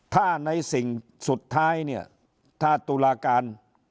ถ้าในสิ่งสุดท้ายเนี่ยถ้าตุลาการ